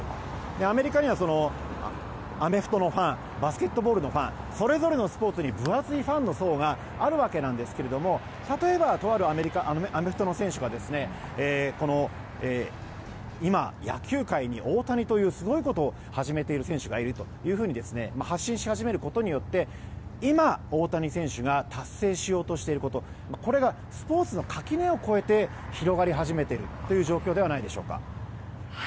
アメリカにはアメフトのファンバスケットボールのファンそれぞれのスポーツに分厚いファンの層があるわけなんですけれども例えば、とあるアメフトの選手が今、野球界に大谷というすごいことを始めている選手がいると発信し始めることによって今、大谷選手が達成しようとしていることがスポーツの垣根を越えて広がり始めているという状況ではないでしょうか。